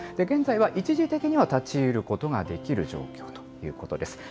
現在は一時的には立ち入ることができる状況ということです。